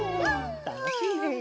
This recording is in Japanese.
たのしいね。